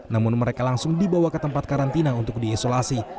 namun mereka langsung dibawa ke tempat karantina untuk diisolasi